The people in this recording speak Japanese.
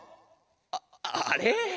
あっあれ？